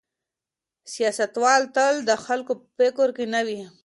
سیاستوال تل د خلکو په فکر کې نه وي.